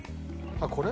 あっこれ？